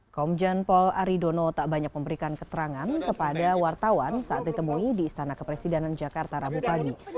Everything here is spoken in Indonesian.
komjen paul aridono tak banyak memberikan keterangan kepada wartawan saat ditemui di istana kepresidenan jakarta rabu pagi